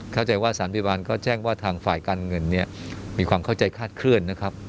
เข้าใจว่าสารพยาบาลก็แจ้งว่าทางฝ่ายการเงินเนี่ยมีความเข้าใจคาดเคลื่อนนะครับ